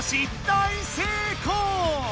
大成功！